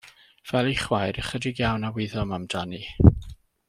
Fel ei chwaer, ychydig iawn a wyddom amdani.